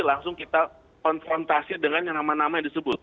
langsung kita konfrontasi dengan yang nama nama yang disebut